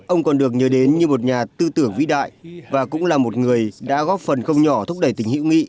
ông còn được nhớ đến như một nhà tư tưởng vĩ đại và cũng là một người đã góp phần không nhỏ thúc đẩy tình hữu nghị